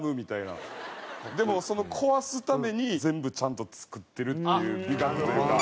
でもその壊すために全部ちゃんと作ってるっていう美学というか。